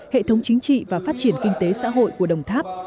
hệ thống chính trị và phát triển kinh tế xã hội của đồng tháp